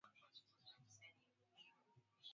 Hofu zangu na hamu zimeondoka,